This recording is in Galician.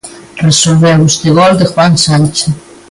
Resolveu este gol de Juan Sánchez.